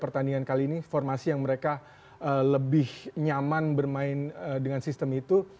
pertandingan kali ini formasi yang mereka lebih nyaman bermain dengan sistem itu